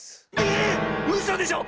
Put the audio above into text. ええ⁉うそでしょ